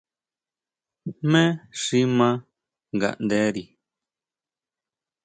¿Jmé xi ʼma nganderi?